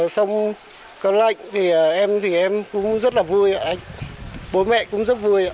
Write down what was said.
xong có lệnh thì em cũng rất là vui bố mẹ cũng rất vui